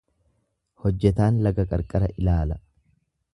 Hojjetaan laga qarqara ilaala.